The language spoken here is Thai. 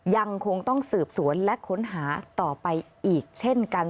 ยังคงต้องสืบสวนและค้นหาต่อไปอีกเช่นกัน